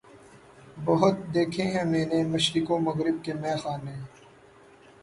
بہت دیکھے ہیں میں نے مشرق و مغرب کے مے خانے